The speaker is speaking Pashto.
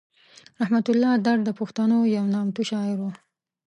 رحمت الله درد د پښتنو یو نامتو شاعر و.